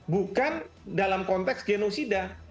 bukan dalam konteks genosida